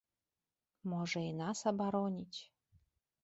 Можа, і нас абароніць.